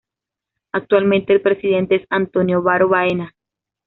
Actualmente el presidente es Antonio Varo Baena.